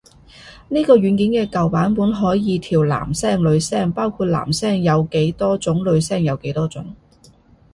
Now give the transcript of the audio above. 呢個軟件嘅舊版本可以調男聲女聲，包括男聲有幾多種女聲有幾多種